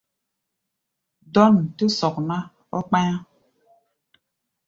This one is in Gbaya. Dɔ̂n tɛ́ sɔk ná, ɔ́ kpá̧yá̧.